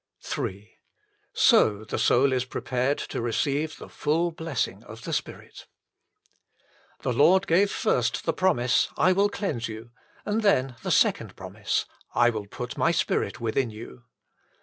Ill So the soul is prepared to receive the full blessing of the Spirit. The Lord gave first the promise, / will cleanse you ; and then the second promise, / will put My Spirit within yon.